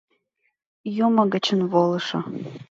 Юмо гычын волышо